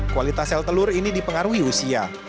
kualitas sel telur ini dipengaruhi usia